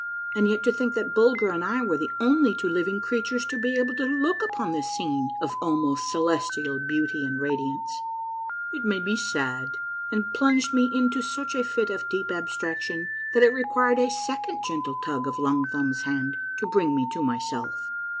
And yet to think that Bulger and I were the only two living creatures to be able to look upon this scene of almost celestial beauty and radiance ! It made me sad, and plunged me into such a fit of deep abstraction that it required a second gentle tug of Long Thumbs' hand to bring me to myself.